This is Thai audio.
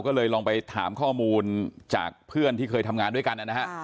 ก็เลยลองไปถามข้อมูลจากเพื่อนที่เคยทำงานด้วยกันนะฮะ